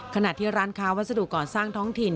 ขณะที่ร้านค้าวัสดุก่อสร้างท้องถิ่น